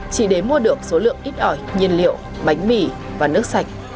chỉ để mua được số lượng ít ỏi nhiên liệu bánh mì và nước sạch